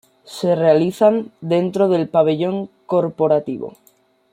Se realizan dentro del Pabellón Corporativo.